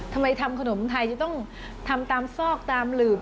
ทำไมทำขนมไทยจะต้องทำตามซอกตามหลืบ